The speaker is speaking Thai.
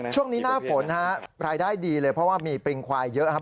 ช่วงนี้หน้าฝนฮะรายได้ดีเลยเพราะว่ามีปริงควายเยอะครับ